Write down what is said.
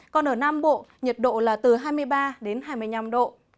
còn ở nam bộ nhiệt độ là từ hai mươi ba đến hai mươi năm độ